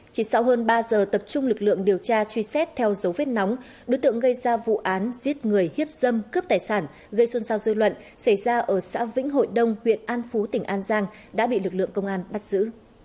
chỉ sau hơn ba giờ tập trung lực lượng điều tra truy xét theo dấu vết nóng đối tượng gây ra vụ án giết người hiếp dâm cướp tài sản gây xuân sao dư luận xảy ra ở xã vĩnh hội đông huyện an phú tỉnh an giang đã bị lực lượng công an bắt giữ